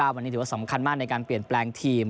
วันนี้ถือว่าสำคัญมากในการเปลี่ยนแปลงทีม